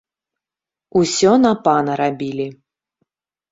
Усё на пана рабілі.